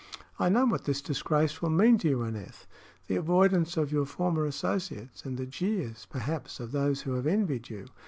"I know what this disgrace will mean to you, Aneth the avoidance of your former associates, and the jeers, perhaps, of those who have envied you.